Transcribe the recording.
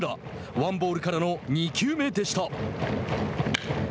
ワンボールから２球目でした。